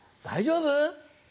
大丈夫？